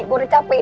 gue udah capek nih